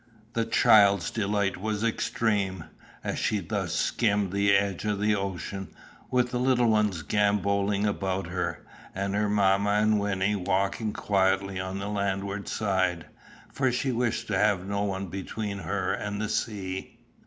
The child's delight was extreme, as she thus skimmed the edge of the ocean, with the little ones gambolling about her, and her mamma and Wynnie walking quietly on the landward side, for she wished to have no one between her and the sea.